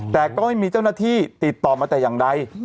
แต่ก็ไม่มีเจ้าหน้าที่ติดต่อมาแต่อย่างใด